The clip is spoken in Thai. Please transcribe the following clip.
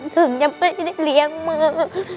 ถึงจะไม่ได้เลี้ยงมือ